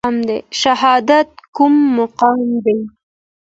شهادت کوم مقام دی؟